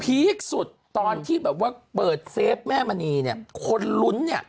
ีคสุดตอนที่แบบว่าเปิดเซฟแม่มณีเนี่ยคนลุ้นเนี่ย